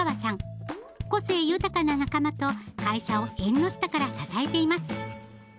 個性豊かな仲間と会社を縁の下から支えています。